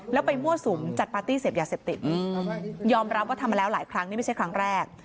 แล้วไปมั่วสุมจัดปาร์ตี้เสพยาเสพติดยอมรับว่าทำมาแล้วหลายครั้งนี่ไม่ใช่ครั้งแรก